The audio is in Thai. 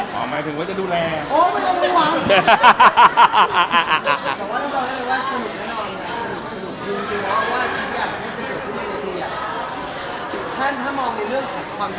ท่านถ้ามองในเรื่องของความแห่งอุณหภีร์นะได้เยอะเลยอะ